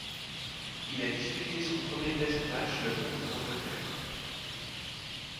Il a disputé son premier test match le contre l'Angleterre.